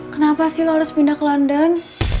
kenapa sih lo harus pindah ke london